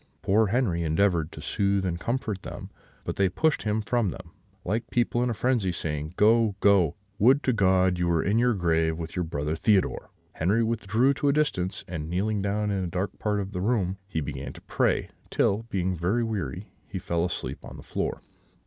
Poor Henri endeavoured to soothe and comfort them; but they pushed him from them, like people in a frenzy, saying, 'Go, go! Would to God you were in your grave with your brother Theodore!' Henri withdrew to a distance, and, kneeling down in a dark part of the room, he began to pray; till, being quite weary, he fell fast asleep on the floor.